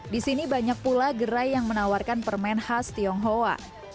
di sini banyak pula gerai yang menawarkan permen khas tionghoa